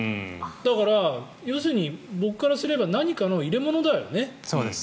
だから、要するに僕からすれば何かの入れ物だよね。